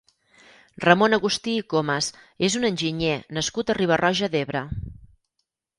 Ramon Agustí i Comes és un enginyer nascut a Riba-roja d'Ebre.